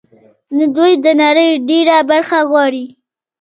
نو دوی د نړۍ ډېره برخه غواړي